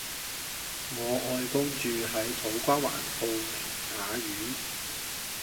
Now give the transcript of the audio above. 我外公住喺土瓜灣浩明雅苑